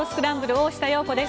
大下容子です。